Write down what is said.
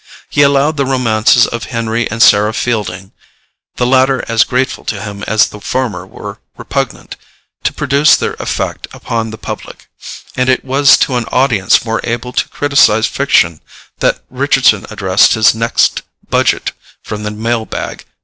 He allowed the romances of Henry and Sarah Fielding, the latter as grateful to him as the former were repugnant, to produce their effect upon the public, and it was to an audience more able to criticise fiction that Richardson addressed his next budget from the mail bag.